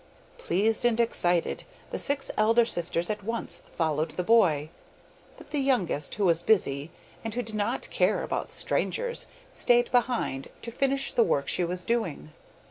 Pleased and excited the six elder sisters at once followed the boy, but the youngest, who was busy, and who did not care about strangers, stayed behind, to finish the work she was doing.